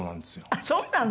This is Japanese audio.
あっそうなの？